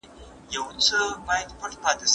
مرګ د حق تعالی د حکم منل دي.